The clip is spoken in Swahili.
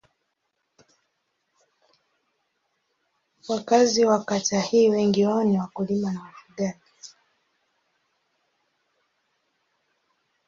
Wakazi wa kata hii wengi wao ni wakulima na wafugaji.